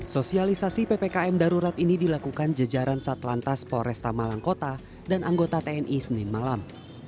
sosialisasi ppkm darurat ini dilakukan jejaran satlantas poresta malangkota dan anggota tni senin malam